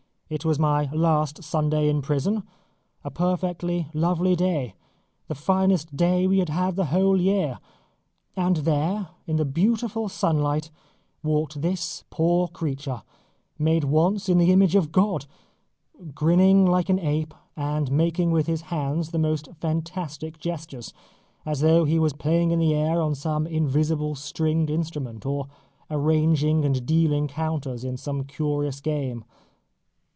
It was my last Sunday in prison, a perfectly lovely day, the finest day we had had the whole year, and there, in the beautiful sunlight, walked this poor creature made once in the image of God grinning like an ape, and making with his hands the most fantastic gestures, as though he was playing in the air on some invisible stringed instrument, or arranging and dealing counters in some curious game.